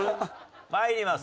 参ります。